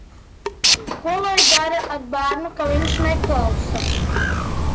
Skolotājam Ernestam arī nebija diezin cik augsta mācīšanas metode.